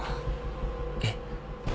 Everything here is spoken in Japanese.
えっ？